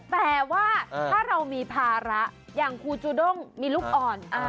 แต่ว่าถ้าเรามีภาระอย่างครูจูด้งมีลูกอ่อน